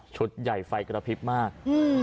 ใหญ่ไฟกระพริบมาก